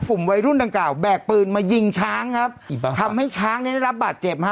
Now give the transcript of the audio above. กลุ่มวัยรุ่นดังกล่าวแบกปืนมายิงช้างครับทำให้ช้างเนี่ยได้รับบาดเจ็บฮะ